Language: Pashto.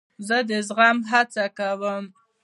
زه د زغم هڅه کوم.